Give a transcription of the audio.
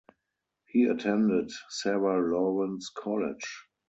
He attended Sarah Lawrence College.